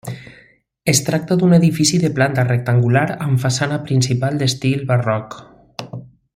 Es tracta d'un edifici de planta rectangular amb façana principal d'estil barroc.